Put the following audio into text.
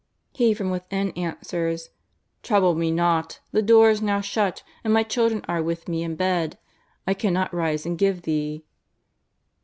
He from within answers: ^* Trouble me not, the door is now shut, and my children are with me in bed, I cannot rise and give thee."